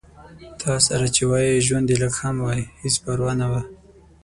تاسره چې وای ژوند دې لږ هم وای هېڅ پرواه نه وه